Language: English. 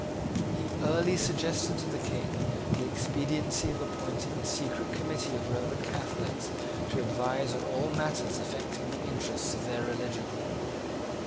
He early suggested to the King the expediency of appointing a secret committee of Roman Catholics to advise on all matters affecting the interests of their religion.